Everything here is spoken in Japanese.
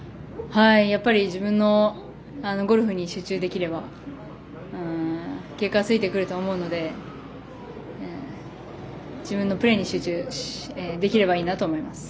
自分のゴルフに集中できれば結果はついてくると思うので自分のプレーに集中できればいいなと思います。